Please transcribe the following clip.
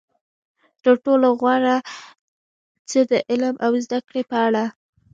تر ټولو غوره څه د علم او زده کړې په اړه.